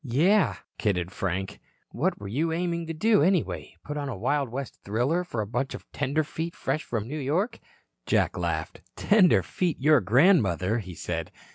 "Yes," kidded Frank, "what were you aiming to do, anyway? Put on a Wild West thriller for a bunch of tenderfeet fresh from New York?" Jack laughed. "Tenderfeet, your grandmother," he said.